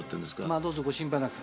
まあどうぞご心配なく。